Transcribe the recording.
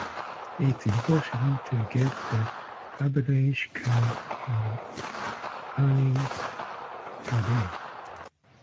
It is impossible to get the average car earnings per day.